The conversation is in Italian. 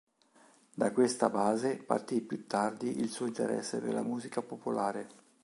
Da questa base partì più tardi il suo interesse per la musica popolare.